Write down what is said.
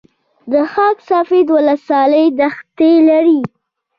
د خاک سفید ولسوالۍ دښتې لري